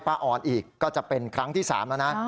พ่อออนอีกก็จะเป็นครั้งที่๓นะนะ